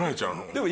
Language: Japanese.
でも。